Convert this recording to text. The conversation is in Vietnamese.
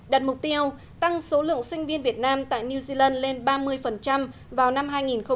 đặt mục tiêu tăng số lượng sinh viên việt nam tại new zealand lên ba mươi vào năm hai nghìn hai mươi